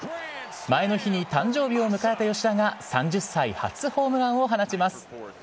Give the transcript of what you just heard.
前の日に誕生日を迎えた吉田が３０歳初ホームランを放ちます。